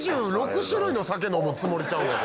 ２６種類の酒飲むつもりちゃうの？